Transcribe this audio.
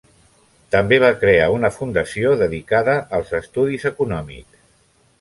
També va crear una Fundació dedicada als estudis econòmics.